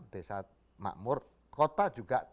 desa makmur kota juga